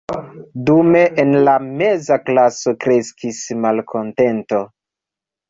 Dume en la meza klaso kreskis malkontento.